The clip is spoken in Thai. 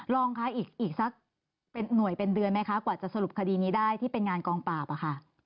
รองคะอีกสักหน่วยเป็นเดือนไหมคะกว่าจะสรุปคดีนี้ได้ที่เป็นงานกองปราบอะค่ะ